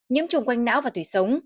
nhiễm trùng quanh não và tùy sống